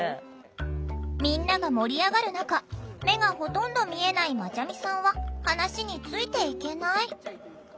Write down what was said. みんなが盛り上がる中目がほとんど見えないまちゃみさんは話についていけない。